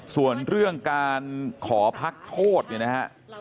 ส่วนเรื่องการขอพักโทษเนี่ยนะฮะ